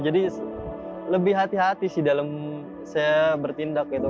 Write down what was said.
jadi lebih hati hati sih dalam saya bertindak gitu